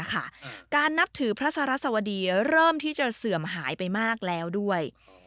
การนับถือพระสารสวดีเริ่มที่จะเสื่อมหายไปมากแล้วด้วย